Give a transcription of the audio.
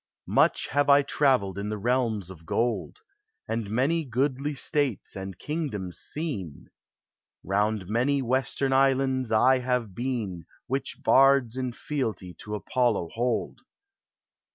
Much have I travelled in the realms of gold, And many goodly states and kingdoms sn w; Round many western islands have I been Winch hards in fealty to Apollo hold.